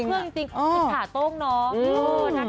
พบเครื่องจริงอิทธาโต้งน้อง